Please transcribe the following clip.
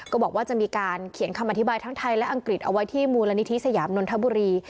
บอกว่าจะมีการเขียนคำอธิบายทั้งไทยและอังกฤษเอาไว้ที่มูลนิธิสยามนนทบุรี